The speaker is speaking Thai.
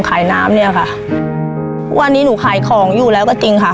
ขายน้ำเนี้ยค่ะทุกวันนี้หนูขายของอยู่แล้วก็จริงค่ะ